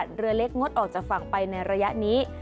เรือเล็กงดออกจากฝั่งไปในระยะนี้